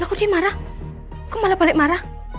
lah kok dia marah kok malah balik marah